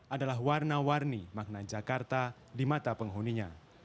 adalah warna warni makna jakarta di mata penghuninya